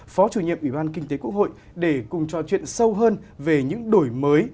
phó chủ nhiệm ủy ban kinh tế quốc hội để cùng trò chuyện sâu hơn về những đổi mới